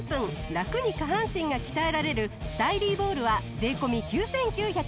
ラクに下半身が鍛えられるスタイリーボールは税込９９８０円。